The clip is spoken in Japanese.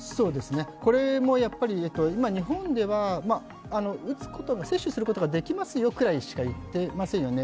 これもやっぱり今日本では接種することができますよくらいしか言ってませんよね。